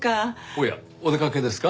おやお出かけですか？